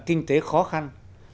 kinh tế khó khăn